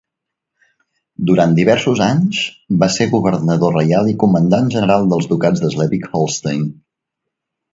Durant diversos anys, va ser governador reial i comandant general dels ducats de Slesvig-Holstein.